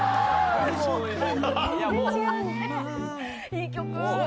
いい曲。